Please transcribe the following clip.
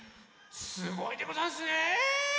すごいでござんすねえ！